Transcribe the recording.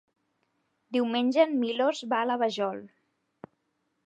Diumenge en Milos va a la Vajol.